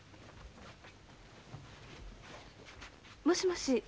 もしもし。